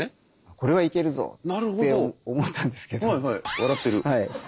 「これはいけるぞ！」って思ったんですけど。